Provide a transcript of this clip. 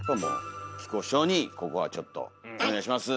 木久扇師匠にここはちょっとお願いします。